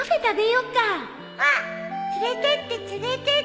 うん。連れてって連れてって